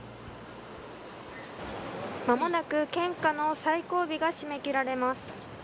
間もなく献花の最後尾が締め切られます。